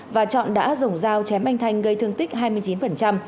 và trọng đã dùng dao chém anh thanh gây thương tích hai mươi chín